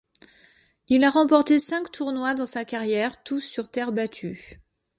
Il a remporté cinq tournois dans sa carrière, tous sur terre battue.